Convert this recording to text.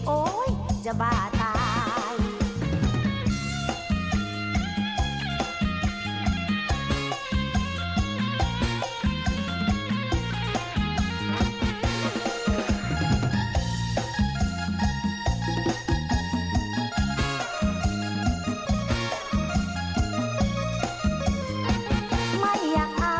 โอ๊ยจะบ้าตาย